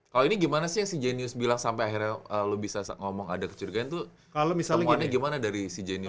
kalau ini gimana sih yang si jenius bilang sampai akhirnya lo bisa ngomong ada kecurigaan tuh temuannya gimana dari si jenius